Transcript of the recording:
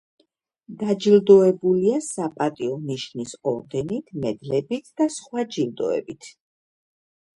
დაჯილდოებულია „საპატიო ნიშნის“ ორდენით, მედლებით და სხვა ჯილდოებით.